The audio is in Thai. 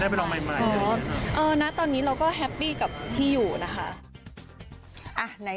ได้อะไรแบบไม่พูดแบบได้ไปลองใหม่นะตอนนี้เราก็แฮปปี้กับที่อยู่นะคะ